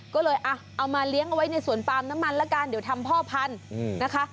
ก็เลยเอามาเลี้ยงเอาไว้ในสวนปาล์มน้ำมันละกันเดี๋ยวทำพ่อพันธุ์นะคะ